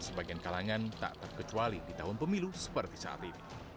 sebagian kalangan tak terkecuali di tahun pemilu seperti saat ini